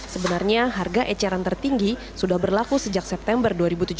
sebenarnya harga eceran tertinggi sudah berlaku sejak september dua ribu tujuh belas